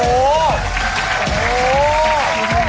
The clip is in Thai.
โอ๊ย